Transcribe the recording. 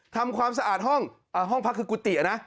ทำความสะอาดห้องห้องพักคือกุฏินะ